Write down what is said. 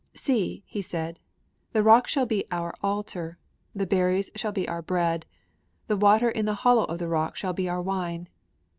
'See!' he said, 'the rock shall be our altar; the berries shall be our bread; the water in the hollow of the rock shall be our wine!'